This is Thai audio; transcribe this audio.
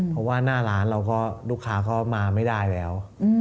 เพราะว่าหน้าร้านเราก็ลูกค้าก็มาไม่ได้แล้ว